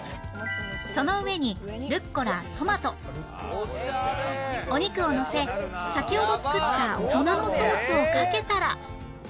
その上にルッコラトマトお肉をのせ先ほど作った大人のソースをかけたら